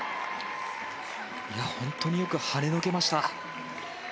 本当によく跳ねのけました。